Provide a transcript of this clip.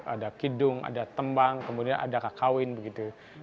ada kidung ada tembang kemudian ada kakawin begitu